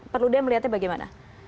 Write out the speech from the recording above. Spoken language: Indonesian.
perlu deh melihatnya bagaimana